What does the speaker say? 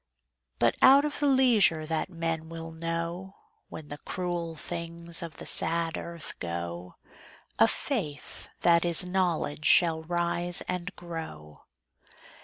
But out of the leisure that men will know, When the cruel things of the sad earth go, A Faith that is Knowledge shall rise and grow.